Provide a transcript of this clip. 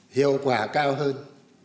hiệu quả cao hơn